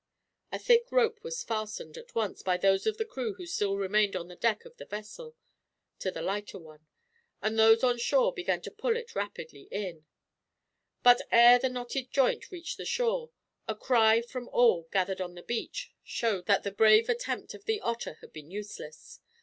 A thick rope was fastened, at once, by those of the crew who still remained on the deck of the vessel, to the lighter one; and those on shore began to pull it rapidly in; but, ere the knotted joint reached the shore, a cry from all gathered on the beach showed that the brave attempt of the Otter had been useless.